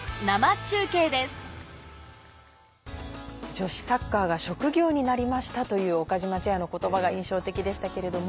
女子サッカーが職業になりましたという岡島チェアの言葉が印象的でしたけれども。